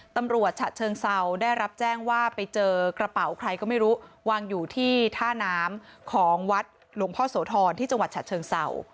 ฉะเชิงเศร้าได้รับแจ้งว่าไปเจอกระเป๋าใครก็ไม่รู้วางอยู่ที่ท่าน้ำของวัดหลวงพ่อโสธรที่จังหวัดฉะเชิงเศร้า